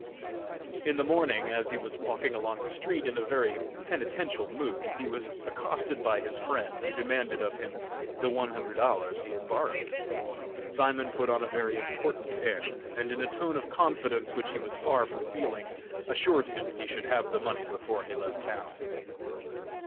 In the morning, as he was walking along the street, in a very penitential mood, he was accosted by his friend, who demanded of him the one hundred dollars he had borrowed. Simon put on a very important air, and in a tone of confidence which he was far from feeling, assured him he should have the money before he left town.